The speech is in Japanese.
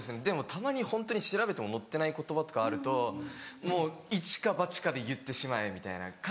でもたまにホントに調べても載ってない言葉とかあるともうイチかバチかで言ってしまえみたいな。